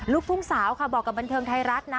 ลูกทุ่งสาวค่ะบอกกับบันเทิงไทยรัฐนะ